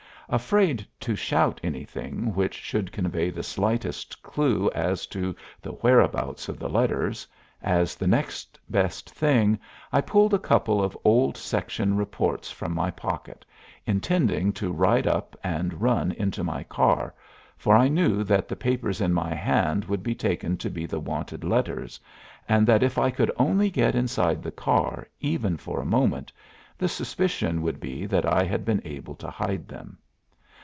Afraid to shout anything which should convey the slightest clue as to the whereabouts of the letters, as the next best thing I pulled a couple of old section reports from my pocket, intending to ride up and run into my car, for I knew that the papers in my hand would be taken to be the wanted letters, and that if I could only get inside the car even for a moment the suspicion would be that I had been able to hide them.